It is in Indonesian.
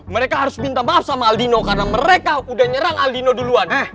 mereka harus minta maaf sama aldino karena mereka udah nyerang aldino duluan